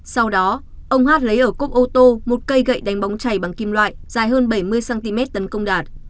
sau đó ông hát lấy ở cốc ô tô một cây gậy đánh bóng chảy bằng kim loại dài hơn bảy mươi cm tấn công đạt